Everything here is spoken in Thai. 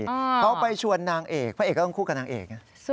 เขาไปชวนนางเอกพระเอกก็ต้องคู่กับนางเอกนะ